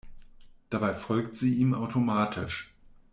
Dabei folgt sie ihm automatisch.